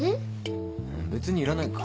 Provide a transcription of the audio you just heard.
別にいらないか。